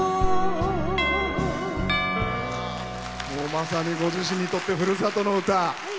まさにご自身にとってふるさとの歌。